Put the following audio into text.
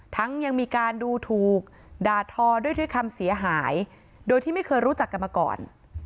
ยังมีการดูถูกด่าทอด้วยคำเสียหายโดยที่ไม่เคยรู้จักกันมาก่อน